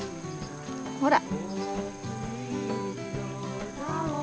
ほら！